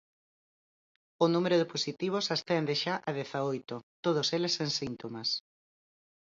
O número de positivos ascende xa a dezaoito; todos eles sen síntomas.